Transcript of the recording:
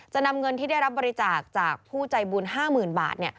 นำเงินที่ได้รับบริจาคจากผู้ใจบุญ๕๐๐๐บาท